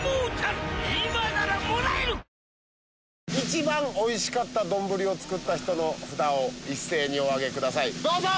一番おいしかった丼を作った人の札を一斉にお上げくださいどうぞ。